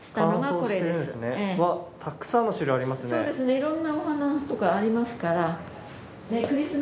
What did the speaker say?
いろんなお花とかありますから。